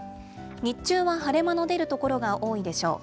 日中は晴れ間の出る所が多いでしょう。